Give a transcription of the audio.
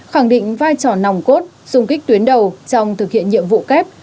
khẳng định vai trò nòng cốt sung kích tuyến đầu trong thực hiện nhiệm vụ kép